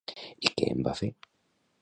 I què en va fer?